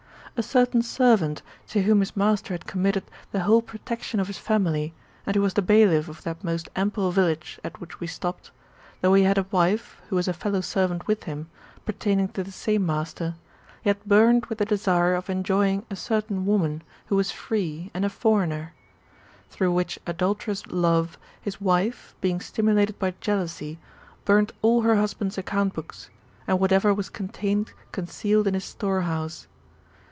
A certain servant, to whom his master had committed the whole protection of his family, and who was the bailiff of that most ample village at which we stopped, though he had a wife, who was a fellow servant with him, pertaining to the same master, yet burned with the desire of enjoying a certain woman, who was free, and a foreigner ; through which adulterous love, his wife, being stimulated by jealousy, burnt all her husband's account books, and whatever was contained concealed in his storehouse.